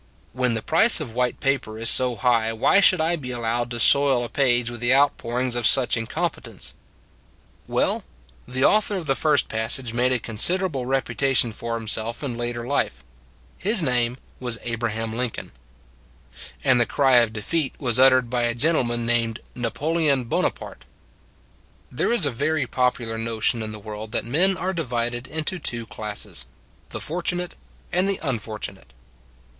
When the price of white paper is so high why should I be allowed to soil a page with the out pourings of such incompetents? 170 Everybody Has Something Well, the author of the first passage made a considerable reputation for him self in later life; his name was Abraham Lincoln. And the other cry of defeat was uttered by a gentleman named Napoleon Bonaparte. There is a very popular notion in the world that men are divided into two classes the fortunate and the unfortunate.